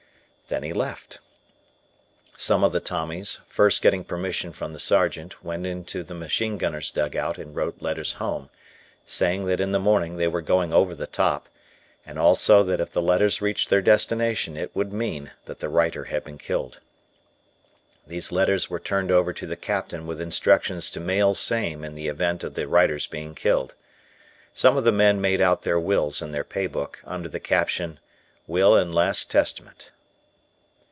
Then he left. Some of the Tommies, first getting permission from the Sergeant, went into the machine gunners' dugout, and wrote letters home, saying that in the morning, they were going over the top, and also that if the letters reached their destination it would mean that the writer had been killed. These letters were turned over to the captain with instructions to mail same in the event of the writer's being killed. Some of the men made out their wills in their pay book, under the caption, "will and last testament."